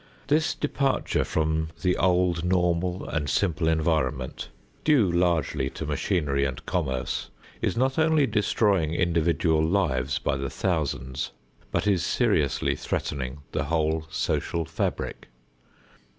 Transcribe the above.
This departure from the old normal and simple environment, due largely to machinery and commerce, is not only destroying individual lives by the thousands, but is seriously threatening the whole social fabric.